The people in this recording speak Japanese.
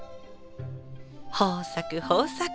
豊作豊作！